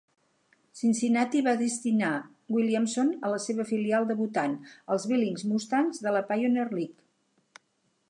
Cincinnati va destinar Williamson a la seva filial debutant, els Billings Mustangs de la Pioneer League.